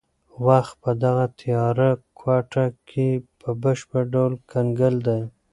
وخت په دغه تیاره کوټه کې په بشپړ ډول کنګل دی.